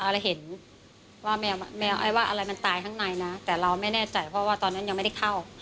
อะไรเห็นว่าแมวไอ้ว่าอะไรมันตายข้างในนะแต่เราไม่แน่ใจเพราะว่าตอนนั้นยังไม่ได้เข้า